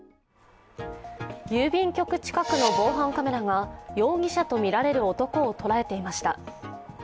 郵便局近くの防犯カメラが容疑者とみられる男を捉えていました。